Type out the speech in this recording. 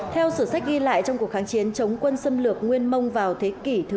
theo sử sách ghi lại trong cuộc kháng chiến chống quân xâm lược nguyên mông vào thế kỷ thứ một mươi